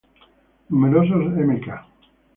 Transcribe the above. Numerosos Mk.